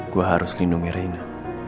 gue harus lindungi rena